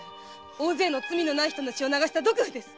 大勢の罪のない人の血を流した毒婦です。